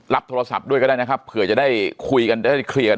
โทรศัพท์ด้วยก็ได้นะครับเผื่อจะได้คุยกันได้เคลียร์